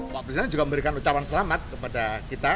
pak presiden juga memberikan ucapan selamat kepada kita